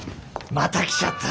また来ちゃった。